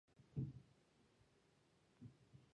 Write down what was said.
通り魔の警戒をする